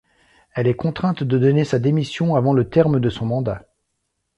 Elle est contrainte de donner sa démission avant le terme de son mandat.